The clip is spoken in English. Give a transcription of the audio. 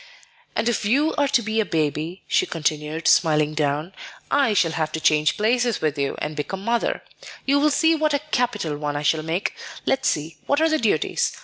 "And if you are to be baby," she continued, smiling down, "I shall have to change places with you, and become mother. You will see what a capital one I shall make. Let's see, what are the duties?